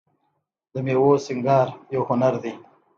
د میوو سینګار یو هنر دی.